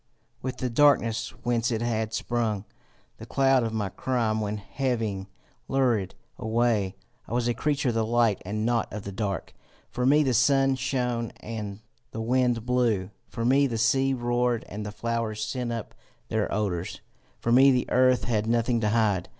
With the darkness whence it had sprung, the cloud of my crime went heaving lurid away. I was a creature of the light and not of the dark. For me the sun shone and the wind blew; for me the sea roared and the flowers sent up their odours. For me the earth had nothing to hide.